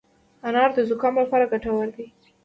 انار د زکام لپاره ګټور دی.